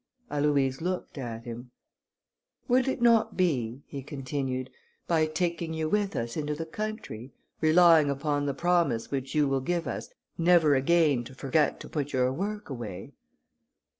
Aloïse looked at him. "Would it not be," he continued, "by taking you with us into the country, relying upon the promise which you will give us never again to forget to put your work away?"